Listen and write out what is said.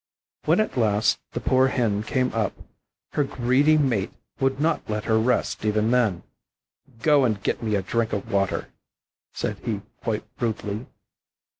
When at last the poor Hen came up, her greedy mate would not let her rest even then. "Go and get me a drink of water," said he quite rudely.